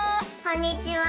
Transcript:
こんにちは。